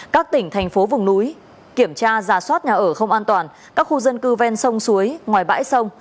các tỉnh thành phố vùng núi kiểm tra giả soát nhà ở không an toàn các khu dân cư ven sông suối ngoài bãi sông